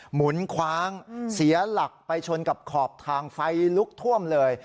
หมุนคว้างเสียหลักไปชนกับขอบทางไฟลุกท่วมเลย